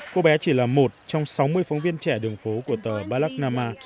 cô bé chỉ là một trong sáu mươi phóng viên trẻ đường phố của tờ blacknama